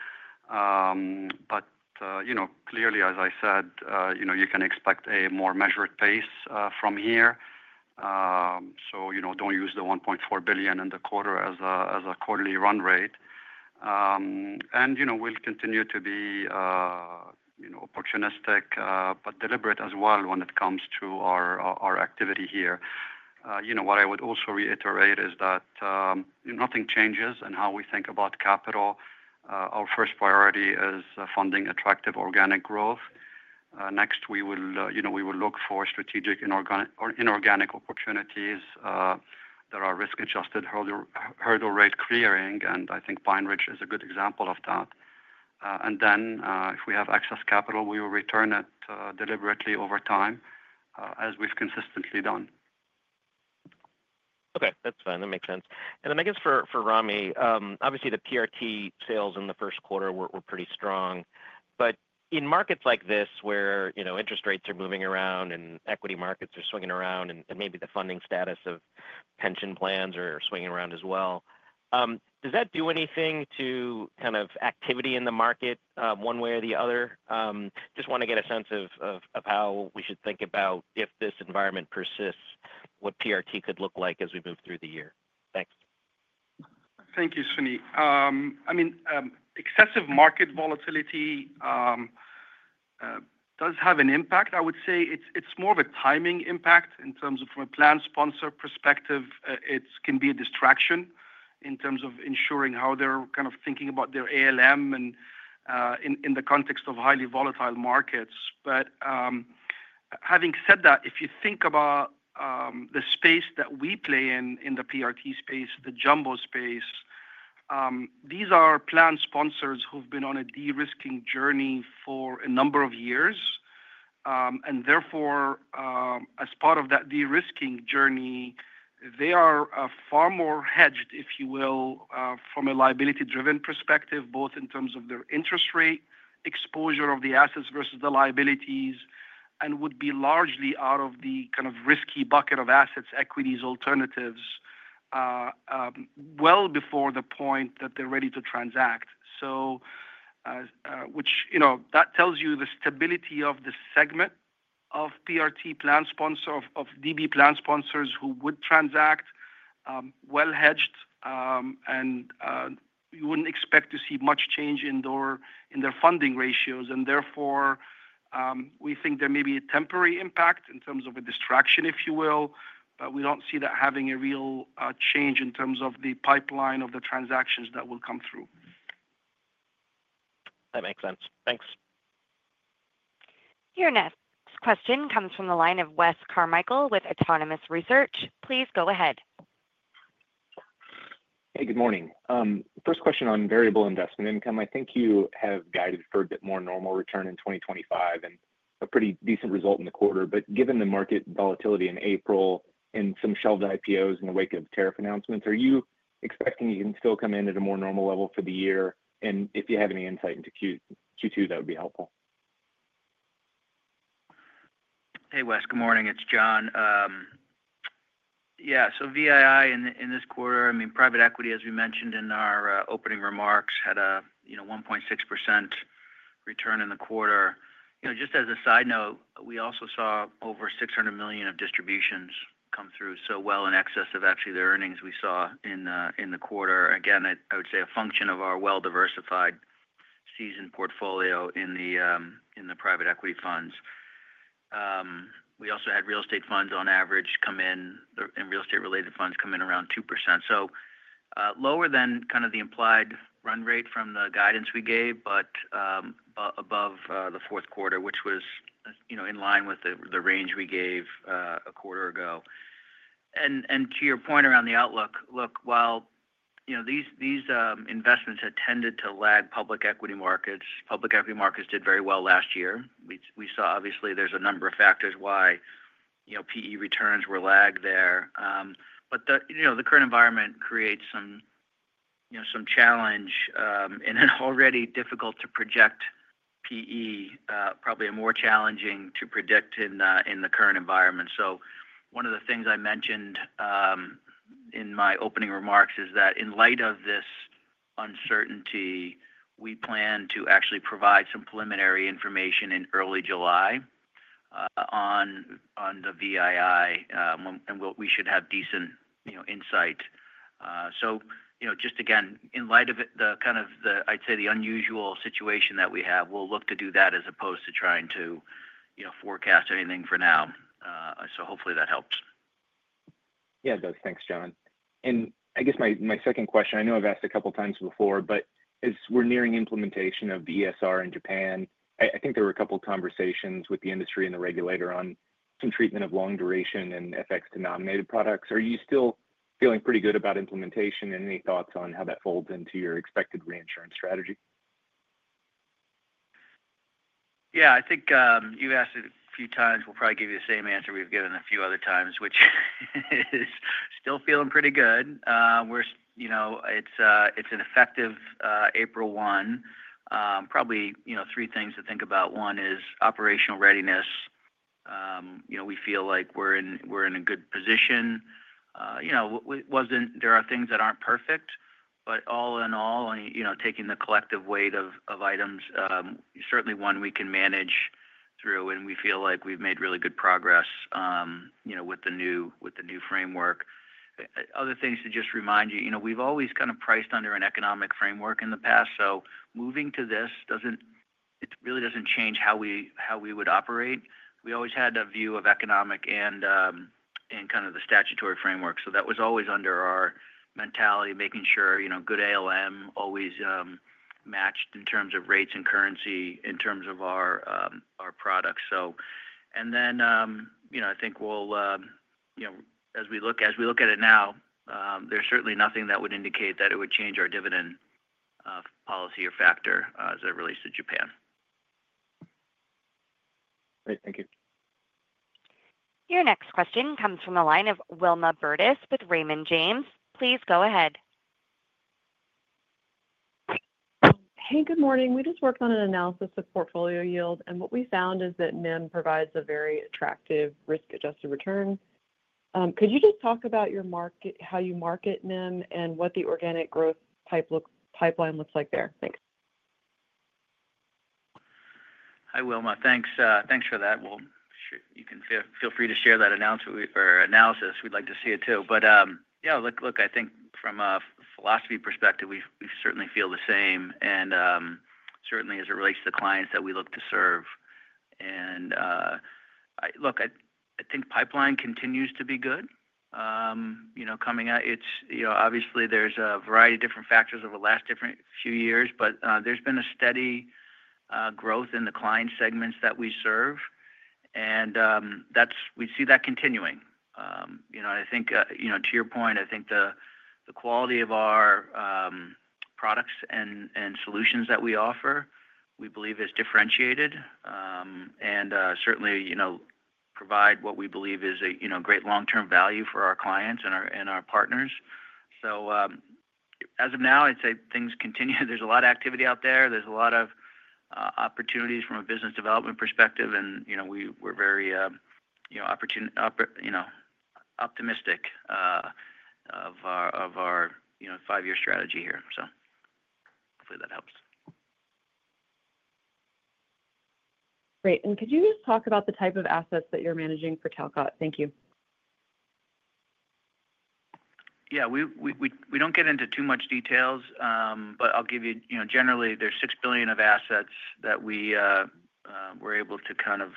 Clearly, as I said, you can expect a more measured pace from here. Do not use the $1.4 billion in the quarter as a quarterly run rate. We will continue to be opportunistic but deliberate as well when it comes to our activity here. What I would also reiterate is that nothing changes in how we think about capital. Our first priority is funding attractive organic growth. Next, we will look for strategic inorganic opportunities that are risk-adjusted hurdle rate clearing. I think PineBridge is a good example of that. If we have excess capital, we will return it deliberately over time as we have consistently done. Okay. That is fine. That makes sense. I guess for Ramy, obviously, the PRT sales in the Q1 were pretty strong. In markets like this where interest rates are moving around and equity markets are swinging around and maybe the funding status of pension plans are swinging around as well, does that do anything to kind of activity in the market one way or the other? Just want to get a sense of how we should think about if this environment persists, what PRT could look like as we move through the year. Thanks. Thank you, Suneet. I mean, excessive market volatility does have an impact. I would say it's more of a timing impact in terms of from a plan sponsor perspective. It can be a distraction in terms of ensuring how they're kind of thinking about their ALM and in the context of highly volatile markets. Having said that, if you think about the space that we play in, in the PRT space, the jumbo space, these are plan sponsors who've been on a de-risking journey for a number of years. Therefore, as part of that de-risking journey, they are far more hedged, if you will, from a liability-driven perspective, both in terms of their interest rate exposure of the assets versus the liabilities and would be largely out of the kind of risky bucket of assets, equities, alternatives well before the point that they're ready to transact. That tells you the stability of the segment of PRT plan sponsor, of DB plan sponsors who would transact, well hedged, and you wouldn't expect to see much change in their funding ratios. Therefore, we think there may be a temporary impact in terms of a distraction, if you will, but we do not see that having a real change in terms of the pipeline of the transactions that will come through. That makes sense. Thanks. Your next question comes from the line of Wes Carmichael with Autonomous Research. Please go ahead. Hey, good morning. First question on variable investment income. I think you have guided for a bit more normal return in 2025 and a pretty decent result in the quarter. Given the market volatility in April and some shelved IPOs in the wake of tariff announcements, are you expecting you can still come in at a more normal level for the year? If you have any insight into Q2, that would be helpful. Hey, Wes. Good morning. It is John. Yeah. VII in this quarter, I mean, private equity, as we mentioned in our opening remarks, had a 1.6% return in the quarter. Just as a side note, we also saw over $600 million of distributions come through, so well in excess of actually the earnings we saw in the quarter. Again, I would say a function of our well-diversified seasoned portfolio in the private equity funds. We also had real estate funds on average come in, and real estate-related funds come in around 2%. Lower than kind of the implied run rate from the guidance we gave, but above the Q3, which was in line with the range we gave a quarter ago. To your point around the outlook, look, while these investments had tended to lag public equity markets, public equity markets did very well last year. We saw, obviously, there's a number of factors why PE returns were lagged there. The current environment creates some challenge, and it's already difficult to project PE, probably more challenging to predict in the current environment. One of the things I mentioned in my opening remarks is that in light of this uncertainty, we plan to actually provide some preliminary information in early July on the VII, and we should have decent insight. Just again, in light of the kind of, I'd say, the unusual situation that we have, we'll look to do that as opposed to trying to forecast anything for now. Hopefully that helps. Yeah, it does. Thanks, John. I guess my second question, I know I've asked a couple of times before, but as we're nearing implementation of the ESR in Japan, I think there were a couple of conversations with the industry and the regulator on some treatment of long duration and FX-denominated products. Are you still feeling pretty good about implementation and any thoughts on how that folds into your expected reinsurance strategy? Yeah. I think you've asked it a few times. We'll probably give you the same answer we've given a few other times, which is still feeling pretty good. It's an effective April 1. Probably three things to think about. One is operational readiness. We feel like we're in a good position. There are things that are not perfect, but all in all, taking the collective weight of items, certainly one we can manage through, and we feel like we have made really good progress with the new framework. Other things to just remind you, we have always kind of priced under an economic framework in the past. Moving to this, it really does not change how we would operate. We always had a view of economic and kind of the statutory framework. That was always under our mentality, making sure good ALM always matched in terms of rates and currency in terms of our products. I think as we look at it now, there is certainly nothing that would indicate that it would change our dividend policy or factor as it relates to Japan. Great. Thank you. Your next question comes from the line of Wilma Burdis with Raymond James. Please go ahead. Hey, good morning. We just worked on an analysis of portfolio yield, and what we found is that NIM provides a very attractive risk-adjusted return. Could you just talk about how you market NIM and what the organic growth pipeline looks like there? Thanks. Hi, Wilma. Thanks for that. You can feel free to share that analysis. We'd like to see it too. Yeah, look, I think from a philosophy perspective, we certainly feel the same, and certainly as it relates to the clients that we look to serve. I think pipeline continues to be good. Coming out, obviously, there's a variety of different factors over the last few years, but there's been a steady growth in the client segments that we serve. We see that continuing. I think to your point, I think the quality of our products and solutions that we offer, we believe, is differentiated and certainly provide what we believe is a great long-term value for our clients and our partners. As of now, I'd say things continue. There's a lot of activity out there. There's a lot of opportunities from a business development perspective, and we're very optimistic of our five-year strategy here. Hopefully that helps. Great. Could you just talk about the type of assets that you're managing for Talcott? Thank you. Yeah. We don't get into too much details, but I'll give you generally, there's $6 billion of assets that we were able to kind of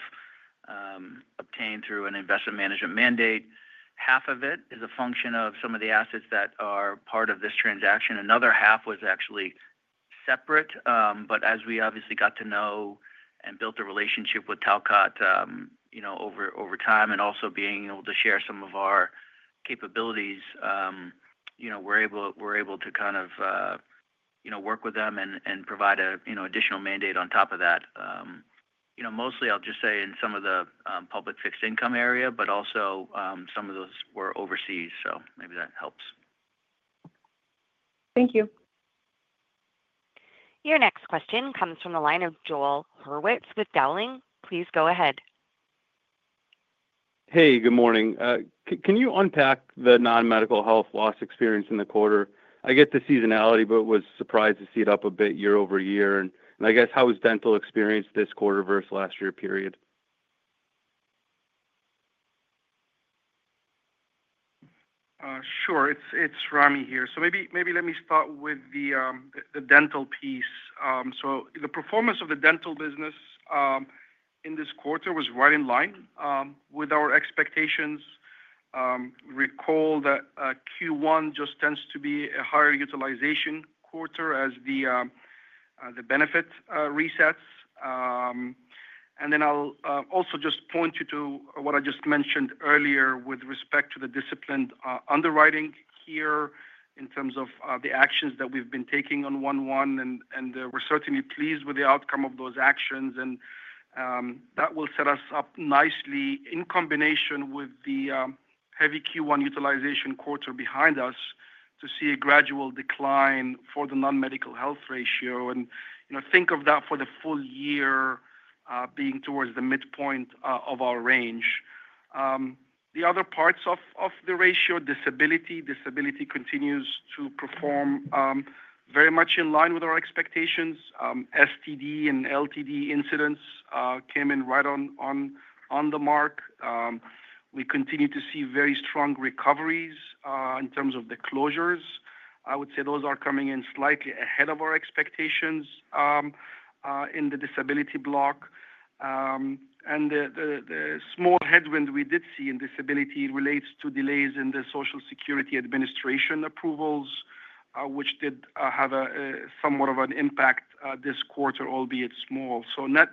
obtain through an investment management mandate. Half of it is a function of some of the assets that are part of this transaction. Another half was actually separate. As we obviously got to know and built a relationship with Talcott over time and also being able to share some of our capabilities, we were able to kind of work with them and provide an additional mandate on top of that. Mostly, I'll just say in some of the public fixed income area, but also some of those were overseas. Maybe that helps. Thank you. Your next question comes from the line of Joel Hurwitz with Dowling. Please go ahead. Hey, good morning. Can you unpack the non-medical health loss experience in the quarter? I get the seasonality, but was surprised to see it up a bit year-over-year. I guess, how was dental experience this quarter versus last year period? Sure. It's Ramy here. Maybe let me start with the dental piece. The performance of the dental business in this quarter was right in line with our expectations. Recall that Q1 just tends to be a higher utilization quarter as the benefit resets. I will also just point you to what I just mentioned earlier with respect to the disciplined underwriting here in terms of the actions that we have been taking on 1/1. We are certainly pleased with the outcome of those actions. That will set us up nicely in combination with the heavy Q1 utilization quarter behind us to see a gradual decline for the non-medical health ratio. Think of that for the full year being towards the midpoint of our range. The other parts of the ratio, disability, disability continues to perform very much in line with our expectations. STD and LTD incidents came in right on the mark. We continue to see very strong recoveries in terms of the closures. I would say those are coming in slightly ahead of our expectations in the disability block. The small headwind we did see in disability relates to delays in the Social Security Administration approvals, which did have somewhat of an impact this quarter, albeit small. Net,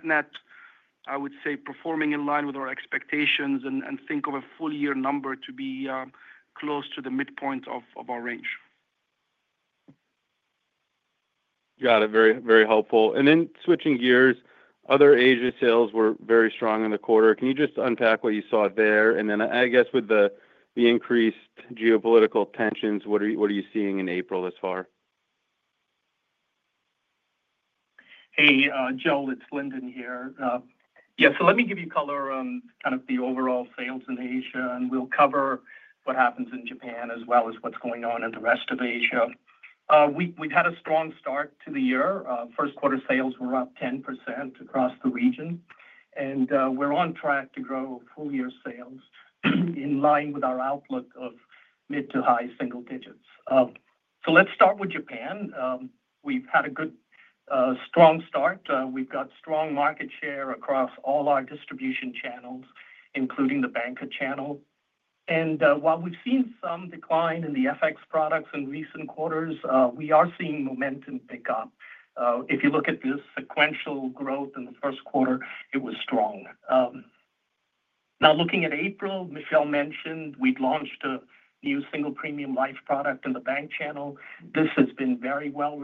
net, I would say performing in line with our expectations and think of a full year number to be close to the midpoint of our range. Got it. Very helpful. Switching gears, other Asia sales were very strong in the quarter. Can you just unpack what you saw there? I guess with the increased geopolitical tensions, what are you seeing in April as far? Hey, Joel, it's Lyndon here. Yeah. Let me give you color on kind of the overall sales in Asia, and we'll cover what happens in Japan as well as what's going on in the rest of Asia. We've had a strong start to the year. Q1 sales were up 10% across the region, and we're on track to grow full year sales in line with our outlook of mid to high single digits. Let's start with Japan. We've had a good, strong start. We've got strong market share across all our distribution channels, including the banker channel. While we've seen some decline in the FX products in recent quarters, we are seeing momentum pick up. If you look at the sequential growth in the Q1, it was strong. Now, looking at April, Michel mentioned we'd launched a new single premium life product in the bank channel. This has been very well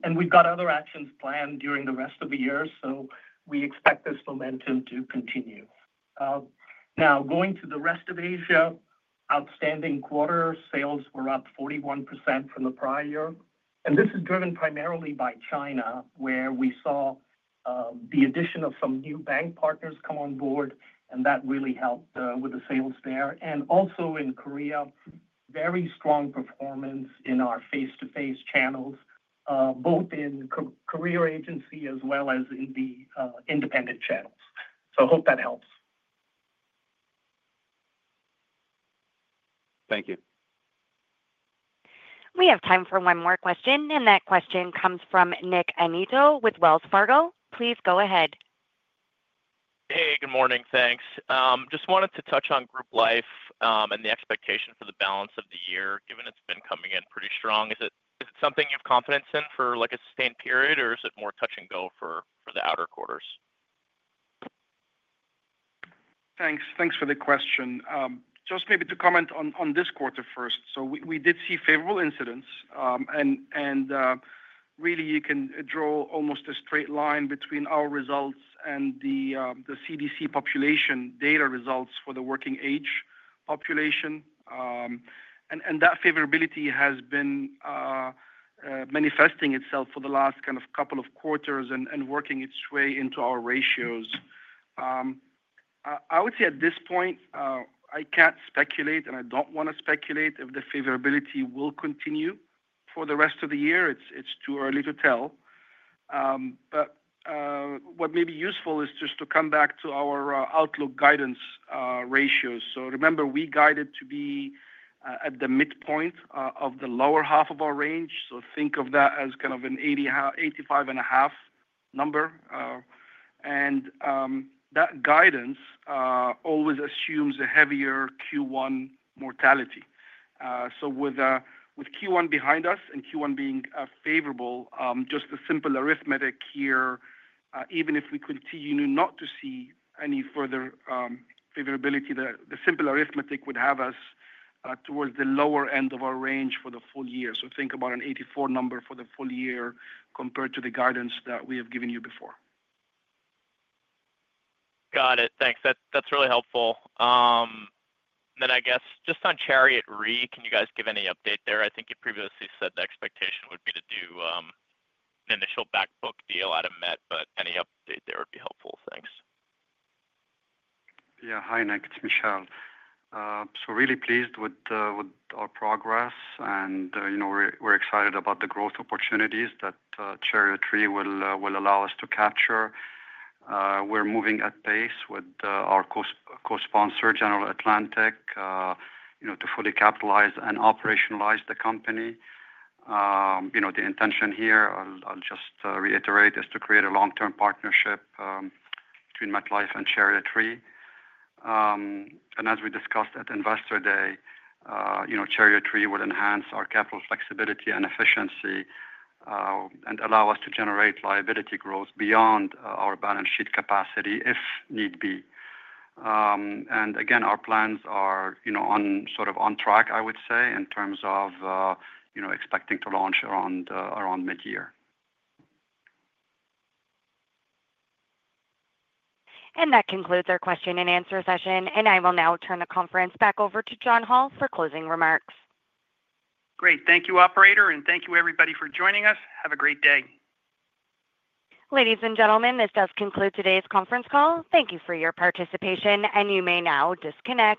received, and we've got other actions planned during the rest of the year. We expect this momentum to continue. Now, going to the rest of Asia, outstanding quarter sales were up 41% from the prior year. This is driven primarily by China, where we saw the addition of some new bank partners come on board, and that really helped with the sales there. Also in Korea, very strong performance in our face-to-face channels, both in career agency as well as in the independent channels. I hope that helps. Thank you. We have time for one more question, and that question comes from Nick Anito with Wells Fargo. Please go ahead. Hey, good morning. Thanks. Just wanted to touch on group life and the expectation for the balance of the year, given it's been coming in pretty strong. Is it something you have confidence in for a sustained period, or is it more touch and go for the outer quarters? Thanks. Thanks for the question. Just maybe to comment on this quarter first. We did see favorable incidents, and really, you can draw almost a straight line between our results and the CDC population data results for the working-age population. That favorability has been manifesting itself for the last kind of couple of quarters and working its way into our ratios. I would say at this point, I can't speculate, and I don't want to speculate if the favorability will continue for the rest of the year. It's too early to tell. What may be useful is just to come back to our outlook guidance ratios. Remember, we guided to be at the midpoint of the lower half of our range. Think of that as kind of an 85.5 number. That guidance always assumes a heavier Q1 mortality. With Q1 behind us and Q1 being favorable, just the simple arithmetic here, even if we continue not to see any further favorability, the simple arithmetic would have us towards the lower end of our range for the full year. Think about an 84 number for the full year compared to the guidance that we have given you before. Got it. Thanks. That's really helpful. I guess just on Chariot Re, can you guys give any update there? I think you previously said the expectation would be to do an initial backbook deal out of Met, but any update there would be helpful. Thanks. Yeah. Hi, Nick. It's Michel. Really pleased with our progress, and we are excited about the growth opportunities that Chariot Re will allow us to capture. We are moving at pace with our co-sponsor, General Atlantic, to fully capitalize and operationalize the company. The intention here, I will just reiterate, is to create a long-term partnership between MetLife and Chariot Re. As we discussed at Investor Day, Chariot Re will enhance our capital flexibility and efficiency and allow us to generate liability growth beyond our balance sheet capacity if need be. Again, our plans are sort of on track, I would say, in terms of expecting to launch around mid-year. That concludes our question and answer session. I will now turn the conference back over to John Hall for closing remarks. Great. Thank you, operator, and thank you, everybody, for joining us. Have a great day. Ladies and gentlemen, this does conclude today's conference call. Thank you for your participation, and you may now disconnect.